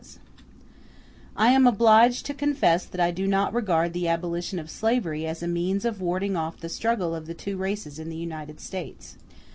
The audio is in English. ] I am obliged to confess that I do not regard the abolition of slavery as a means of warding off the struggle of the two races in the United States.